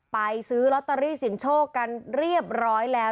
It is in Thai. ซื้อลอตเตอรี่เสียงโชคกันเรียบร้อยแล้ว